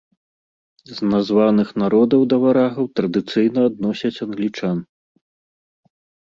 З названых народаў да варагаў традыцыйна адносяць англічан.